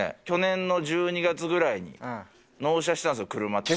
去年の１２月ぐらいに納車したんですよ、車。